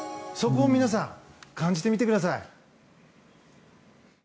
そこを皆さん感じてみてください。